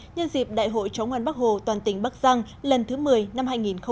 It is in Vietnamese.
nhân dịp đại hội chóng ngoan bắc hồ toàn tỉnh bắc giang lần thứ một mươi năm hai nghìn hai mươi